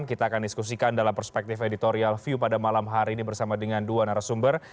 kita akan diskusikan dalam perspektif editorial view pada malam hari ini bersama dengan dua narasumber